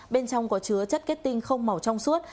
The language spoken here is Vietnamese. bên trong có chứa chất kết tinh không màu trong suốt